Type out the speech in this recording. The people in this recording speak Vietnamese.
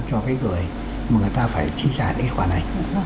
cho cái người mà người ta phải chi trả cái khoản này